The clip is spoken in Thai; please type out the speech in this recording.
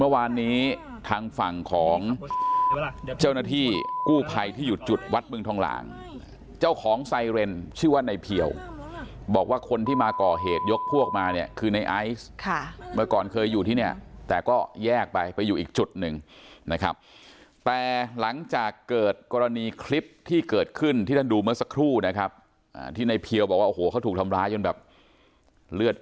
เมื่อวานนี้ทางฝั่งของเจ้าหน้าที่กู้ภัยที่อยู่จุดวัดบึงทองหลางเจ้าของไซเรนชื่อว่าในเพียวบอกว่าคนที่มาก่อเหตุยกพวกมาเนี่ยคือในไอซ์ค่ะเมื่อก่อนเคยอยู่ที่เนี่ยแต่ก็แยกไปไปอยู่อีกจุดหนึ่งนะครับแต่หลังจากเกิดกรณีคลิปที่เกิดขึ้นที่ท่านดูเมื่อสักครู่นะครับที่ในเพียวบอกว่าโอ้โหเขาถูกทำร้ายจนแบบเลือดอ